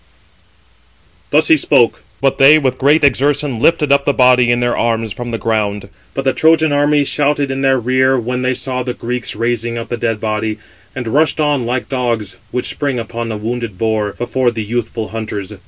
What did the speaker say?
Thus he spoke; but they with great exertion lifted up the body in their arms from the ground: but the Trojan army shouted in their rear when they saw the Greeks raising up the dead body, and rushed on like dogs, which spring upon a wounded boar, before the youthful hunters.